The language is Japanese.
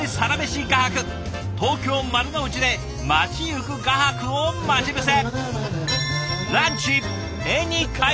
東京・丸の内で街行く画伯を待ち伏せ！